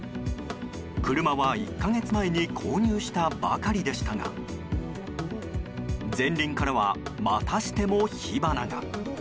車は１か月前に購入したばかりでしたが前輪からは、またしても火花が。